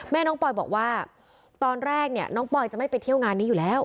น้องปอยบอกว่าตอนแรกเนี่ยน้องปอยจะไม่ไปเที่ยวงานนี้อยู่แล้ว